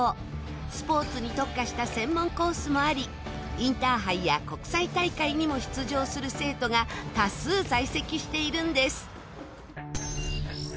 スポーツに特化した専門コースもありインターハイや国際大会にも出場する生徒が多数在籍しているんです。